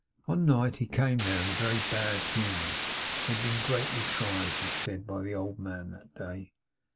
'One night he came there in a very bad humour. He had been greatly tried, he said, by the old man that day.